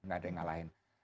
tidak ada yang ngalahin